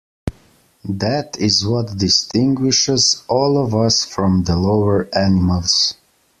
That is what distinguishes all of us from the lower animals.